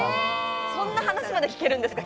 そんな話まで聞けるんですか？